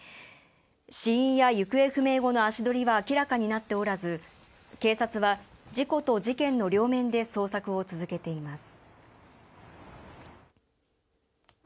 死因や行方不明後の足取りは明らかになっておらず警察は事故と事件の両面で捜索を続けています。